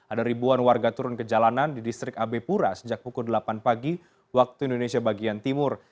ada ribuan warga turun ke jalanan di distrik abe pura sejak pukul delapan pagi waktu indonesia bagian timur